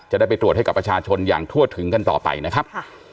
จะได้ไปตรวจให้กับประชาชนอย่างทั่วถึงกันต่อไปนะครับ